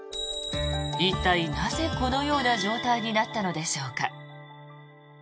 一体なぜ、このような状態になったのでしょうか。